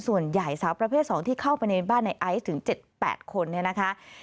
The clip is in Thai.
ส่วนใหญ่สาวประเภท๒ที่เข้าไปในบ้านนายไอซ์ถึง๗๘คนนี้นะคะ